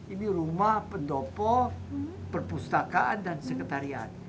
ini rumah pendopo perpustakaan dan sekretariat